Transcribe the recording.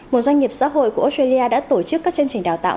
một doanh nghiệp xã hội của australia đã tổ chức các chương trình đào tạo